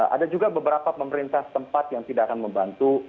ada juga beberapa pemerintah tempat yang tidak akan membantu